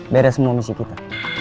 beres semua misi kita